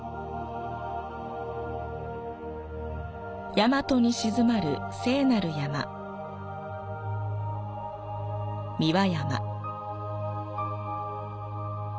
大和に鎮まる聖なる山、三輪山。